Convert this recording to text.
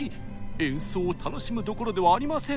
演奏を楽しむどころではありません！